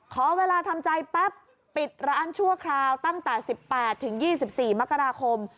ขอเวลาทำใจปั๊บปิดร้านชั่วคราวตั้งแต่๑๘ถึง๒๔มกราคม